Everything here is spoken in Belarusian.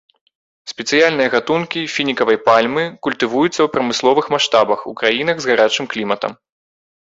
Спецыяльныя гатункі фінікавай пальмы культывуюцца ў прамысловых маштабах ў краінах з гарачым кліматам.